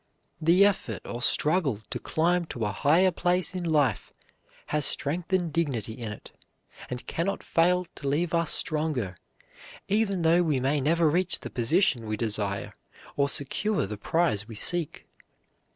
The effort or struggle to climb to a higher place in life has strength and dignity in it, and cannot fail to leave us stronger, even though we may never reach the position we desire, or secure the prize we seek.